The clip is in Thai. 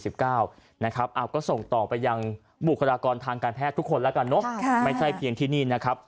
อับก็ส่งต่อกับทุกคนไปในบุคลากรทางการแพทย์ไม่ใช่เพียงที่นี่นะครับ